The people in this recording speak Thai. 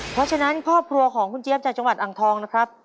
เพราะฉะนั้นครอบครัวของคุณเจี๊ยบจากจังหวัดอ่างทองนะครับ